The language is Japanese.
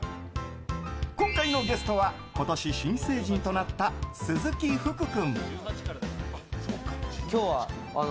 今回のゲストは今年新成人となった鈴木福君。